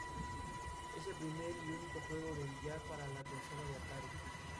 Es el primer y único juego de billar para la consola de Atari.